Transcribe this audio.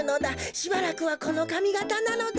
しばらくはこのかみがたなのだ。